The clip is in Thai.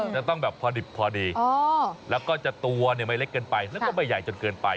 จะต้องแบบพอดิบพอดีแล้วก็จะตัวไม่เล็กเกินไปแล้วก็ไม่ใหญ่จนเกินไป